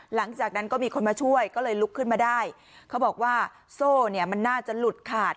หลังจากนั้นก็มีคนมาช่วยก็เลยลุกขึ้นมาได้เขาบอกว่าโซ่เนี่ยมันน่าจะหลุดขาด